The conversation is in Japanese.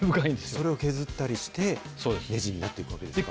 それを削ったりして、ねじになっていくということですか。